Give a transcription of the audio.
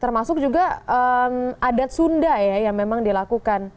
termasuk juga adat sunda ya yang memang dilakukan